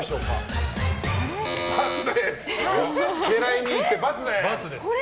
狙いに行って×です！